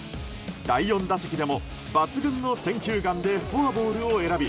第４打席でも抜群の選球眼でフォアボールを選び